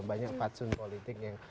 banyak patsun politik yang